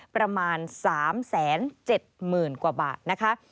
ประมาณ๓๗๐๐๐กว่าบาทนะคะ